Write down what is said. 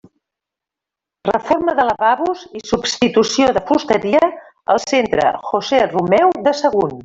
Reforma de lavabos i substitució de fusteria al centre José Romeu de Sagunt.